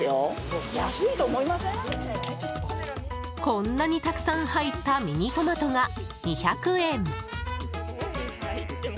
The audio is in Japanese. こんなにたくさん入ったミニトマトが２００円！